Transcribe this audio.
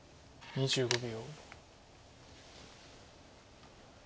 ２５秒。